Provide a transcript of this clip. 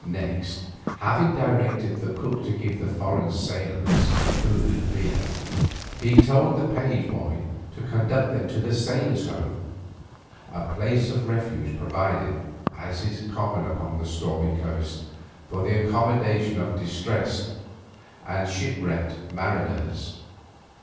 Next, having directed the cook to give the foreign sailormen some food and beer, he told the page boy to conduct them to the Sailors' Home, a place of refuge provided, as is common upon this stormy coast, for the accommodation of distressed and shipwrecked mariners.